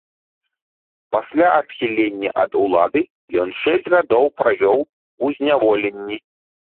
Пасля адхілення ад улады ён шэсць гадоў правёў у зняволенні.